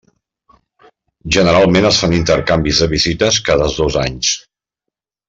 Generalment es fan intercanvis de visites cada dos anys.